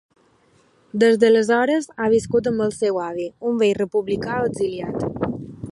Des d’aleshores, ha viscut amb el seu avi, un vell republicà exiliat.